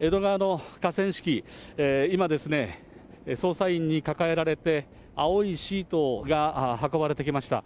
江戸川の河川敷、今、捜査員に抱えられて、青いシートが運ばれてきました。